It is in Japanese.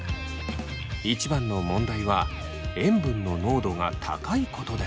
一番の問題は塩分の濃度が高いことです。